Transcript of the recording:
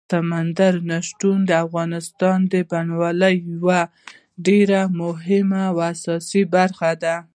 سمندر نه شتون د افغانستان د بڼوالۍ یوه ډېره مهمه او اساسي برخه ده.